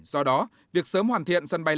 do đó việc sớm hoàn thiện sân bay lê